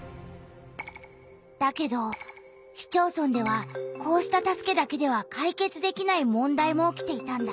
だけど市町村ではこうした助けだけでは解決できない問題も起きていたんだ。